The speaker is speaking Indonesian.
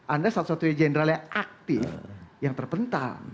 anda satu satunya general yang aktif yang terbental